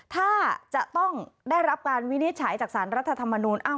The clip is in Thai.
ถ้าจะต้องได้รับการวินิจฉัยจากสารรัฐธรรมนูล